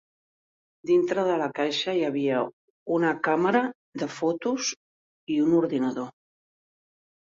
Dintre de la caixa hi havia una càmera de fotos i un ordinador.